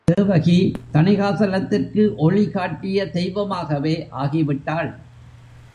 தேவகி தணிகாசலத்திற்கு ஒளி காட்டிய தெய்வமாகவே ஆகிவிட்டாள்.